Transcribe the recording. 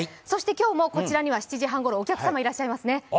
そして今日もこちらには７時半ごろお客様がいらっしゃいますね。